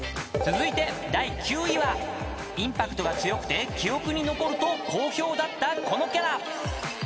［続いて第９位はインパクトが強くて記憶に残ると好評だったこのキャラ］